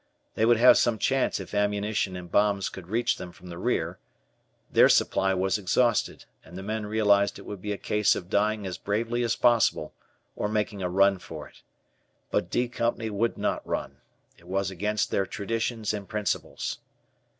They would have some chance if ammunition and bombs could reach them from the rear. Their supply was exhausted, and the men realized it would be a case of dying as bravely as possible, or making a run for it. But "D" Company would not run. It was against their traditions and principles.